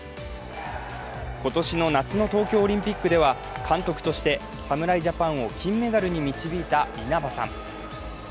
今年夏の東京オリンピックでは監督として侍ジャパンを金メダルに導いた稲葉さん。